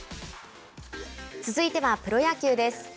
続いてはプロ野球です。